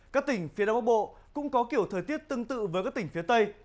các tỉnh phía đông bắc bộ cũng có kiểu thời tiết tương tự với các tỉnh phía tây